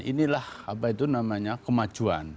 inilah apa itu namanya kemajuan